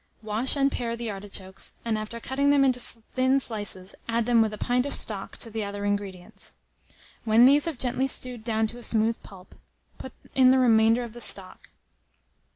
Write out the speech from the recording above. Wash and pare the artichokes, and after cutting them into thin slices, add them, with a pint of stock, to the other ingredients. When these have gently stewed down to a smooth pulp, put in the remainder of the stock.